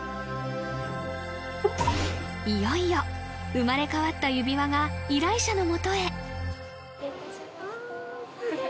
いよいよ生まれ変わった指輪が依頼者のもとへあ